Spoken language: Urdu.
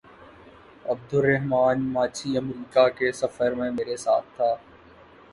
عبدالرحمٰن ماچھی امریکہ کے سفر میں میرے ساتھ تھا۔